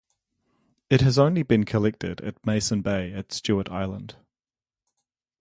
It has only been collected at Mason Bay at Stewart Island.